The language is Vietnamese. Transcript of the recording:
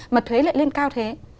mà thuế lại lên cao thế